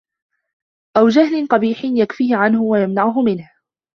أَوْ جَهْلٍ قَبِيحٍ يَكْفِهِ عَنْهُ وَيَمْنَعُهُ مِنْهُ